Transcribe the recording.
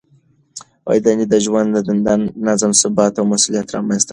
دندې د ژوند نظم، ثبات او مسؤلیت رامنځته کوي.